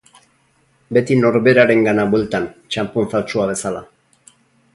Beti norberarengana bueltan, txanpon faltsua bezala.